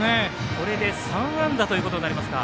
これで３安打ということになりますか。